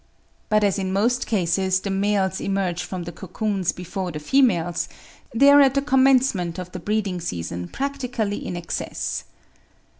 But as in most cases the males emerge from the cocoons before the females, they are at the commencement of the breeding season practically in excess.